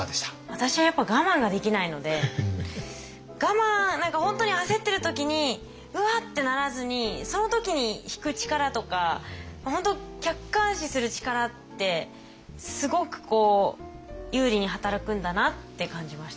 私はやっぱ我慢ができないので何か本当に焦ってる時に「うわ！」ってならずにその時に引く力とか本当客観視する力ってすごく有利に働くんだなって感じました。